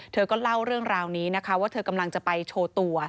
เธอก็เล่าเรื่องราวนี้นะคะว่าเธอกำลังจะไปโชว์ตัว